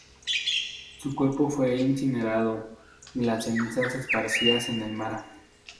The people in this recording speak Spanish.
Su cuerpo fue incinerado, y las cenizas esparcidas en el mar.